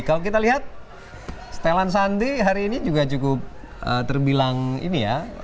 kalau kita lihat setelan sandi hari ini juga cukup terbilang ini ya